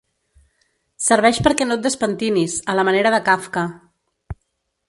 Serveix perquè no et despentinis, a la manera de Kafka.